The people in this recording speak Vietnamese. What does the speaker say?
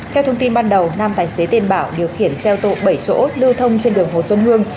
theo thông tin ban đầu nam tài xế tên bảo điều khiển xe ô tô bảy chỗ lưu thông trên đường hồ xuân hương